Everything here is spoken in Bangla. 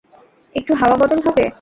একটু হাওয়া বদল হবে।